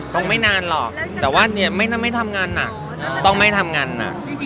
ไม่นานหรอกแต่ว่าเนี่ยไม่ทำงานหนักต้องไม่ทำงานหนัก